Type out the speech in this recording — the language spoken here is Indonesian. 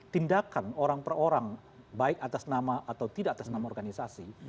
tindakan orang per orang baik atas nama atau tidak atas nama organisasi